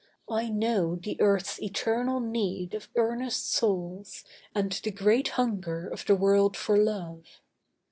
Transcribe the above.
I know The earth's eternal need of earnest souls, And the great hunger of the world for Love.